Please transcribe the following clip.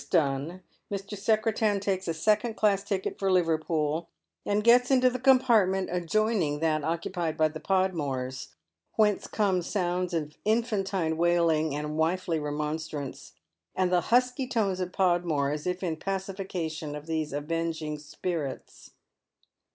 This done, Mr. Secretan takes a second class ticket for Liver pool, and gets into the compartment adjoining that occupied by the Podmorea, whence come sounds of infantine wailing and wifely remonstrance, and the husky tones of Podmore as if in pacification of these avenging spirits.